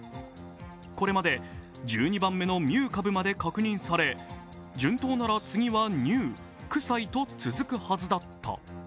これまで１２番目のミュー株まで確認され、順当なら次はニュー、クサイと続くはずだった。